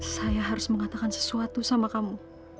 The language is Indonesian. saya harus mengatakan sesuatu sama kamu